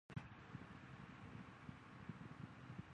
利园三期是香港一座建筑物。